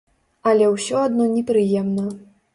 Але ўсё адно непрыемна.